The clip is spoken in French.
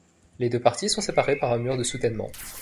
Les deux parties sont séparées par un mur de soutènement.